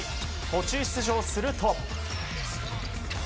途中出場すると。